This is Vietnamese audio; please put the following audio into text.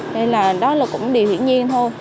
nên là đó là cũng điều hiện nhiên thôi